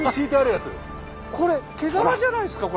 これ毛皮じゃないですか？